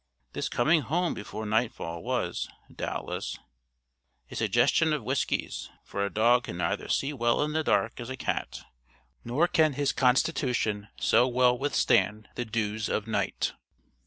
This coming home before nightfall, was doubtless a suggestion of Whiskey's, for a dog can neither see so well in the dark as a cat, nor can his constitution so well withstand the dews of night.